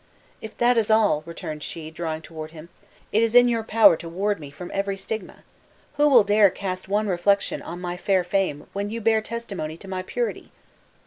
"If that is all," returned she, drawing toward him, "it is in your power to ward from me every stigma! Who will dare to cast one reflection on my fair fame when you bear testimony to my purity?